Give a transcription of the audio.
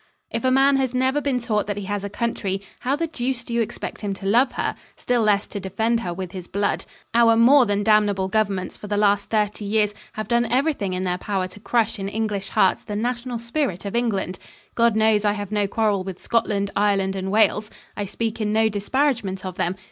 If a man has never been taught that he has a country, how the deuce do you expect him to love her still less to defend her with his blood? Our more than damnable governments for the last thirty years have done everything in their power to crush in English hearts the national spirit of England. God knows I have no quarrel with Scotland, Ireland, and Wales. I speak in no disparagement of them.